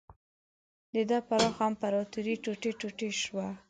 د ده پراخه امپراتوري ټوټې ټوټې شوه.